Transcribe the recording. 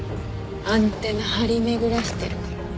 アンテナ張り巡らせてるから。